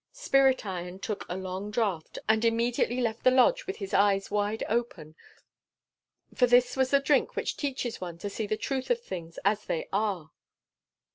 Spirit Iron took a long draught, and immediately left the lodge with his eyes wide open; for this was the drink which teaches one to see the truth of things as they are.